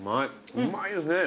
うまいですね。